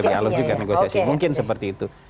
lebih alat juga negosiasi mungkin seperti itu